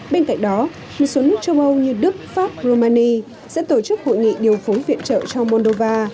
bên cạnh đó một số nước châu âu như đức pháp romani sẽ tổ chức hội nghị điều phối viện trợ cho moldova